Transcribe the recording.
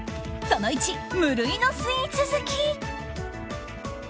その１、無理のスイーツ好き。